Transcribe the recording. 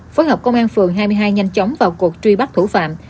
phối hợp công an phường hai mươi hai nhanh chóng vào cuộc truy bắt thủ phạm